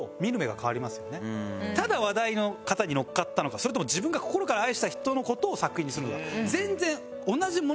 ただ話題の方に乗っかったのかそれとも自分が心から愛した人の事を作品にするのか。